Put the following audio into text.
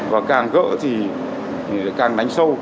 và càng gỡ thì càng đánh sâu